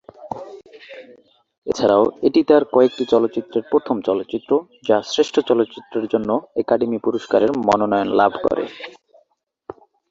এছাড়া এটি তার কয়েকটি চলচ্চিত্রের প্রথম চলচ্চিত্র, যা শ্রেষ্ঠ চলচ্চিত্রের জন্য একাডেমি পুরস্কারের মনোনয়ন লাভ করে।